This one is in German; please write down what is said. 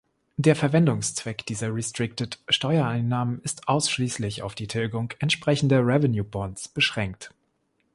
Der Verwendungszweck dieser „restricted“ Steuereinnahmen ist ausschließlich auf die Tilgung entsprechender „revenue bonds“ beschränkt.